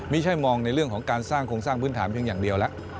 ไม่ใช่มองในเรื่องของการสร้างโครงสร้างพื้นฐานเพียงอย่างเดียวแล้ว